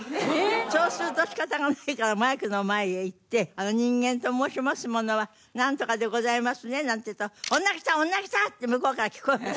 そうすると仕方がないからマイクの前へ行って「人間と申しますものはなんとかでございますね」なんて言うと「女来た！女来た！」って向こうから聞こえるの。